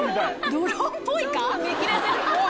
ドローンっぽいか？